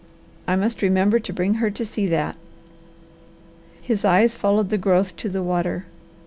I must remember to bring her to see that." His eyes followed the growth to the water.